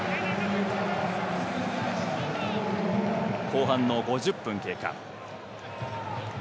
後半の５０分経過。